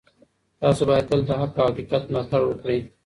تاسو باید تل د حق او حقیقت ملاتړ وکړئ.